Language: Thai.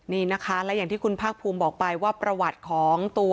นี่นะคะและอย่างที่คุณภาคภูมิบอกไปว่าประวัติของตัว